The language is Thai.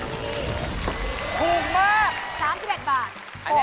เป็นเสื้อแบบลวดค่ะราคาอยู่ที่